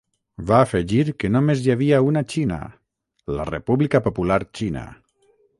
Va afegir que només hi havia una Xina, la República Popular Xina.